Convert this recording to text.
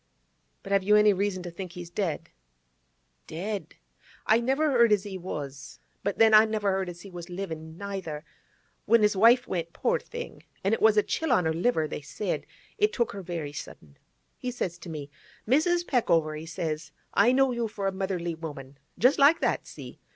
But have you any reason to think he's dead?' 'Dead! I never heard as he was. But then I never heard as he was livin', neither. When his wife went, poor thing—an' it was a chill on the liver, they said; it took her very sudden—he says to me, "Mrs. Peckover," he says, "I know you for a motherly woman"—just like that—see?